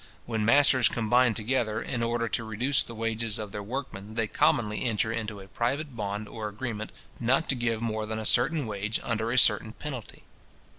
When masters combine together, in order to reduce the wages of their workmen, they commonly enter into a private bond or agreement, not to give more than a certain wage, under a certain penalty.